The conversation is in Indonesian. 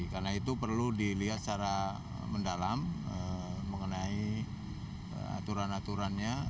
karena itu perlu dilihat secara mendalam mengenai aturan aturannya